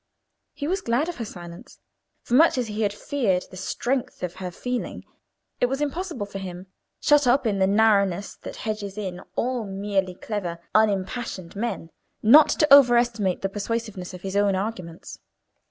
He was glad of her silence; for, much as he had feared the strength of her feeling, it was impossible for him, shut up in the narrowness that hedges in all merely clever, unimpassioned men, not to over estimate the persuasiveness of his own arguments.